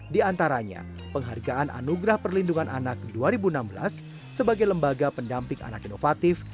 di antaranya penghargaan anugerah perlindungan anak dua ribu enam belas sebagai lembaga pendamping anak inovatif